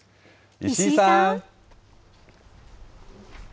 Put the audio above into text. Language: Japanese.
石井さん。